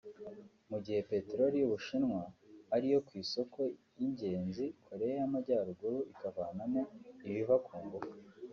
mu gihe peteroli y'Ubushinwa ari yo soko y'ingenzi Koreya y'Amajyaruguru ivanamo ibiva ku ngufu